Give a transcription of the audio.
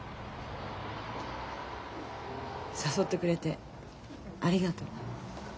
誘ってくれてありがとう。